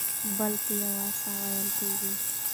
بل په یو ساه وېل کېږي.